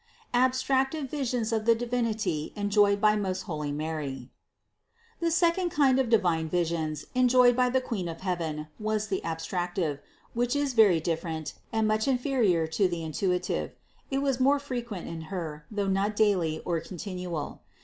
ABSTRACTIVE VISIONS OF THE) DIVINITY ENJOYHD BY MOST HOIyY MARY. 631. The second kind of divine visions enjoyed by the Queen of heaven was the abstractive, which is very dif ferent and much inferior to the intuitive; it was more frequent in Her, though not daily or continual.